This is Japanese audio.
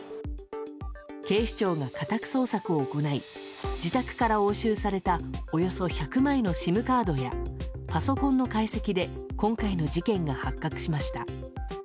警視庁が家宅捜索を行い自宅から押収されたおよそ１００枚のＳＩＭカードやパソコンの解析で今回の事件が発覚しました。